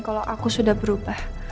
kalau aku sudah berubah